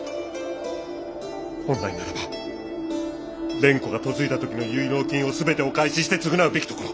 本来ならば蓮子が嫁いだ時の結納金を全てお返しして償うべきところ。